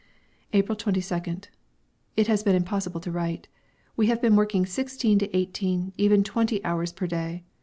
April 22nd. It has been impossible to write. We have been working sixteen to eighteen, even twenty, hours per day.